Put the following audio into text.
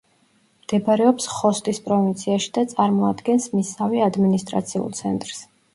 მდებარეობს ხოსტის პროვინციაში და წარმოადგენს მისსავე ადმინისტრაციულ ცენტრს.